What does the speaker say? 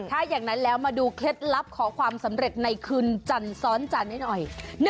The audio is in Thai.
ถ้าอย่างนั้นแล้วมาดูเคล็ดลับขอความสำเร็จในคืนจันทร์ซ้อนจันทร์ให้หน่อย